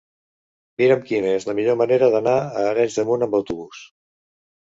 Mira'm quina és la millor manera d'anar a Arenys de Munt amb autobús.